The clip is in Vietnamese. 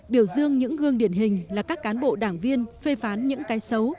biểu dương những gương điển hình là các cán bộ đảng viên phê phán những cái xấu